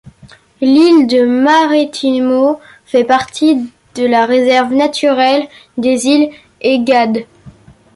L'île de Marettimo fait partie de la Réserve naturelle des îles Egades.